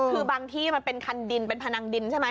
คือบางที่มันเป็นคันดินเป็นพนังดินใช่ไหม